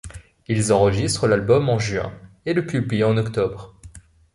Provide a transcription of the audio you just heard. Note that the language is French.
Ils enregistrent l'album en juin, et le publient en octobre.